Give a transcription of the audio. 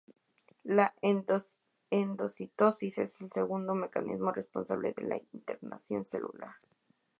La endocitosis es el segundo mecanismo responsable de la internalización celular.